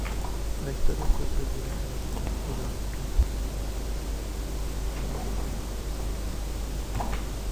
La historia fue prohibida en la Unión Sudafricana.